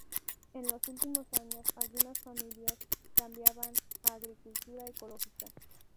En los últimos años algunas familias cambiaban a agricultura ecológica.